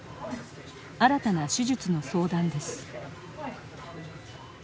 新たな手術の相談です。